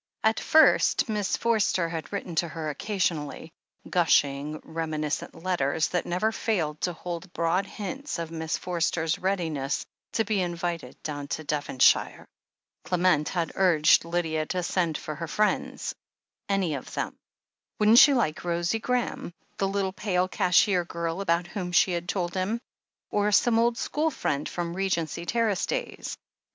At first Miss Forster had written to her occasionally — ^gushing, reminiscent letters, that never failed to hold broad hints of Miss Forster's readiness to be invited down to Devonshire. Clement had urged Lydia to send for her friends — any of them. Wouldn't she like Rosie Graham, the little pale cashier girl about whom she had told him ? or some old school friend from the Regency Terrace days